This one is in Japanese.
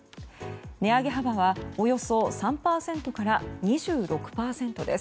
値上げ幅はおよそ３％から２６％です。